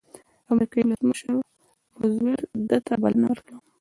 د امریکې ولسمشر روز وېلټ ده ته بلنه ورکړه.